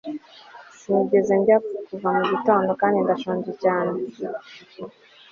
sinigeze ndya kuva mu gitondo kandi ndashonje cyane